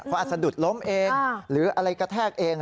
พออาศดุษย์ล้มเองหรืออะไรกระแทกเอง